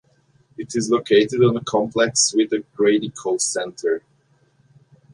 It is located on a complex with the Grady Cole Center.